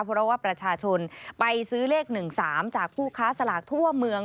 เพราะว่าประชาชนไปซื้อเลข๑๓จากผู้ค้าสลากทั่วเมือง